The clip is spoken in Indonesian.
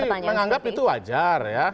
kalau saya sih menganggap itu wajar ya